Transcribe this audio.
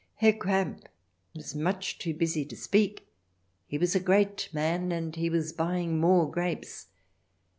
Herr Kramp was much too busy to speak ; he was a great man, and he was buying more grapes.